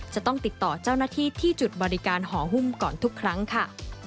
จะต้องติดต่อเจ้าหน้าที่ที่จุดบริการหอหุ้มก่อนทุกครั้งค่ะ